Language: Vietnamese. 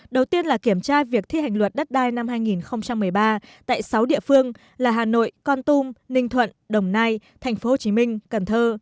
đầu tiên là kiểm tra việc thi hành luật đất đai năm hai nghìn một mươi ba tại sáu địa phương là hà nội con tum ninh thuận đồng nai tp hcm cần thơ